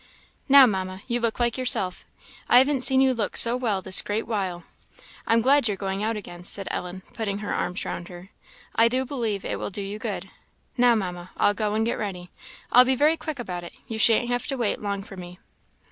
"Now, Mamma, you look like yourself; I haven't seen you look so well this great while. I'm glad you're going out again," said Ellen, putting her arms round her; "I do believe it will do you good. Now, Mamma, I'll go and get ready; I'll be very quick about it; you shan't have to wait long for me."